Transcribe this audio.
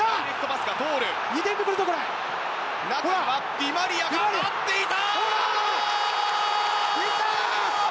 ディマリアが待っていた！